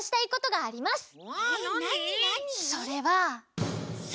それは？